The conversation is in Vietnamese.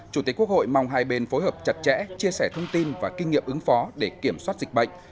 chủ tịch quốc hội mong hai bên phối hợp chặt chẽ chia sẻ thông tin và kinh nghiệm ứng phó để kiểm soát dịch bệnh